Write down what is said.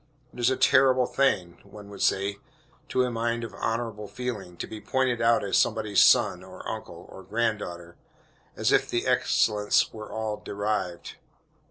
It is a terrible thing, one would say, to a mind of honorable feeling, to be pointed out as somebody's son, or uncle, or granddaughter, as if the excellence were all derived.